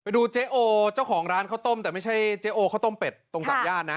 ดูเจ๊โอเจ้าของร้านข้าวต้มแต่ไม่ใช่เจ๊โอข้าวต้มเป็ดตรงสามย่านนะ